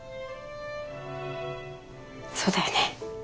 そうだよね。